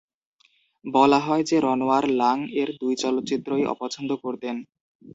বলা হয় যে, রনোয়ার লাং-এর দুটি চলচ্চিত্রই অপছন্দ করতেন।